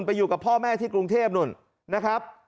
ไปอยู่กับพ่อแม่ที่กรุงเทพนู่นนะครับ